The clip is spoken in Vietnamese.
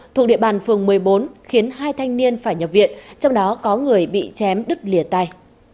thuộc địa bàn phường một mươi bốn khiến hai thanh niên phải nhập viện trong đó có người bị chém đứt lìa tay